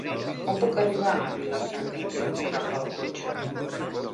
Com puc arribar a Vila-sacra sense agafar el cotxe?